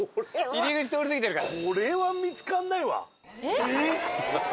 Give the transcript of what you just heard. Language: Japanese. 入り口通り過ぎてるから。